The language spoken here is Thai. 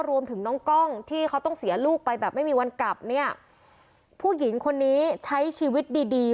รวมถึงน้องกล้องที่เขาต้องเสียลูกไปแบบไม่มีวันกลับเนี่ยผู้หญิงคนนี้ใช้ชีวิตดีดี